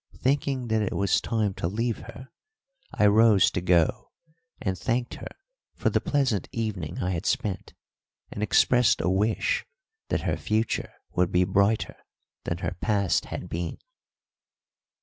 Thinking that it was time to leave her, I rose to go, and thanked her for the pleasant evening I had spent, and expressed a wish that her future would be brighter than her past had been.